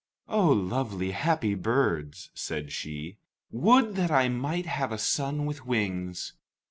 "Oh, lovely, happy birds," said she; "would that I might have a son with wings!"